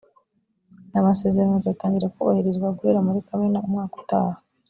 aya masezerano azatangira kubahirizwa guhera muri kamena umwaka utaha